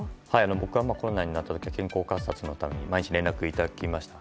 僕はコロナになった時は健康観察のために毎日連絡をいただけました。